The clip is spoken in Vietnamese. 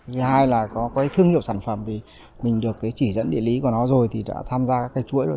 thứ hai là có cái thương hiệu sản phẩm thì mình được cái chỉ dẫn địa lý của nó rồi thì đã tham gia các cái chuỗi rồi